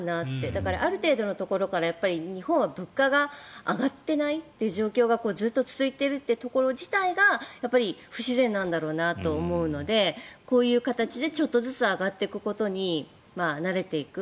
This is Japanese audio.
だから、ある程度のところから日本は物価が上がってない状況がずっと続いているというところ自体が不自然なんだろうなと思うのでこういう形でちょっとずつ上がっていくことに慣れていく。